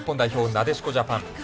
なでしこジャパン。